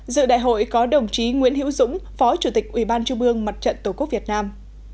dự đại hội có đồng chí nguyễn hiễu dũng phó chủ tịch ủy ban trung ương mặt trận tổ quốc việt nam